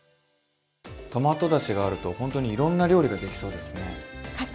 トマトだしがあるとほんとにいろんな料理ができそうですね。